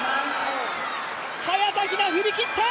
早田ひな、振り切った！